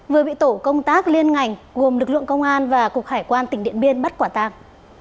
vừa bị tổ công tác liên ngành gồm lực lượng công an và cục hải quan tỉnh điện biên bắt quả tàng